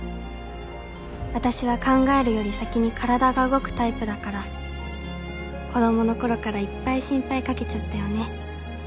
私は考えるより先に体が動くタイプだから子どもの頃からいっぱい心配かけちゃったよね。